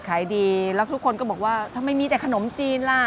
ขายดีแล้วทุกคนก็บอกว่าทำไมมีแต่ขนมจีนล่ะ